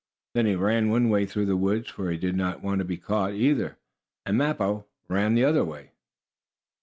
Then he ran one way through the woods, for he did not want to be caught, either, and Mappo ran the other way.